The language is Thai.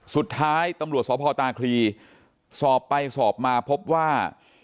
สุดท้ายตำรวจสพตาคลีสอบไปสอบมาพบว่า